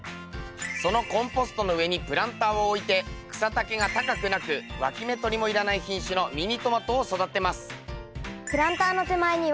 そのコンポストの上にプランターを置いて草丈が高くなくわき芽とりもいらない品種のミニトマトを育てます。